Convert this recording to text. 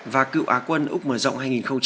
và cựu á quân úc mở rộng hai nghìn một mươi chín